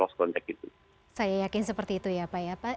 saya yakin seperti itu ya pak